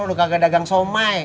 suriful udah kagak dagang somai